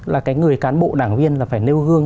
là cái người cán bộ đảng viên là phải nêu gương